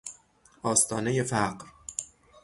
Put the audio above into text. آستانهی فقر